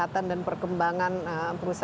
di mana nomer perkembangannya bisa berjaya